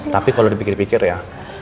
tapi kalau dipikir pikir ya